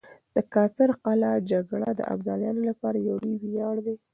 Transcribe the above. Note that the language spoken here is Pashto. د کافر قلعه جګړه د ابدالیانو لپاره يو لوی وياړ دی.